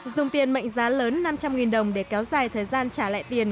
dùng tiền mệnh giá lớn năm trăm linh đồng để kéo dài thời gian trả lại tiền